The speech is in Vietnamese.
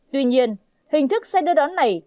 tuy nhiên hình thức xe đưa đón này